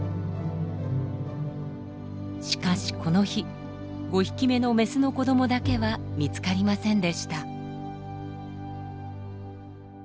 しかしこの日５匹目のメスの子どもだけは見つかりませんでした。